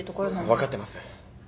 分かってます。